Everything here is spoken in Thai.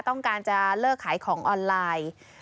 ต้องการจะเลิกขายของออนไลน์